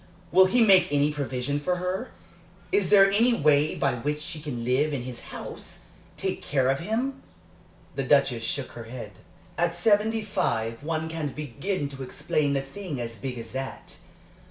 "Will he make any provision for her? Is there any way by which she can live in his house take care of him?" The Duchess shook her head. "At seventy five one can't begin to explain a thing as big as that.